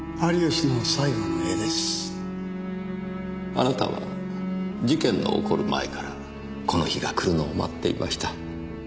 あなたは事件の起こる前からこの日が来るのを待っていました。